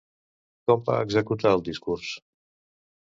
Com va executar el discurs?